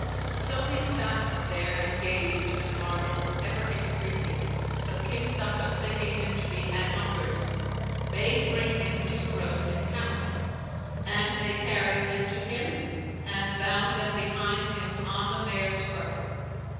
So he stopped there and gazed with a marvel ever increasing till King Sakhr thinking him to be anhungered, bade bring him two roasted camels; and they carried them to him and bound them behind him on the mare's crupper.